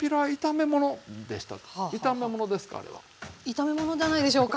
炒め物じゃないでしょうか。